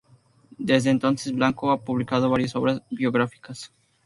Desde entonces, Blanco ha publicado varias obras biográficas.